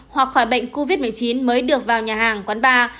hoặc khỏi bệnh covid một mươi chín mới được vào nhà hàng quán bar